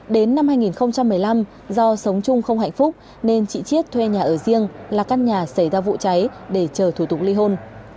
đến năm hai nghìn một mươi năm do sống chung không hạnh phúc nên chị chiết thuê nhà ở riêng là căn nhà xảy ra vụ cháy để chờ thủ tục ly hôn